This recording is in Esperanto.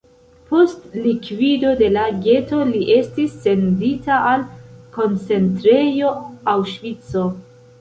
Post likvido de la geto li estis sendita al koncentrejo Aŭŝvico.